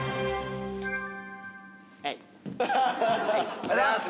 おはようございます。